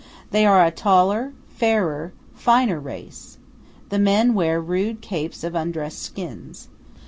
They are a taller, fairer, finer race. The men wear rude capes of undressed skins.